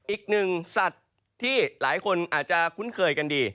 อีกหนึ่งสัตว์ที่หลายคนอาจจะคุ้นเคยกันดี